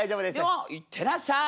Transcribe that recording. では行ってらっしゃい！